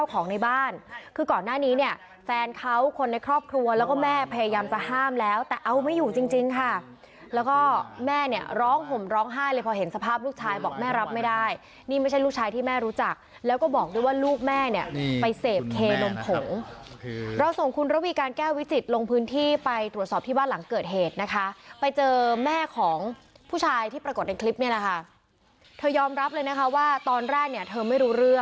ของในบ้านคือก่อนหน้านี้เนี่ยแฟนเขาคนในครอบครัวแล้วก็แม่พยายามจะห้ามแล้วแต่เอาไม่อยู่จริงจริงค่ะแล้วก็แม่เนี่ยร้องผมร้องไห้เลยพอเห็นสภาพลูกชายบอกแม่รับไม่ได้นี่ไม่ใช่ลูกชายที่แม่รู้จักแล้วก็บอกด้วยว่าลูกแม่เนี่ยไปเสพเคลมผงคือเราส่งคุณระวีการแก้ววิจิตรลงพื้นที่ไปตรวจสอบที่บ้านหลังเ